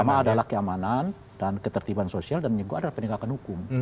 pertama adalah keamanan dan ketertiban sosial dan juga adalah penegakan hukum